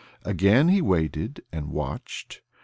Again he waited and watched.